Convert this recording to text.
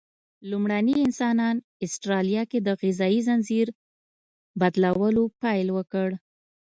لومړني انسانان استرالیا کې د غذایي ځنځیر بدلولو پیل وکړ.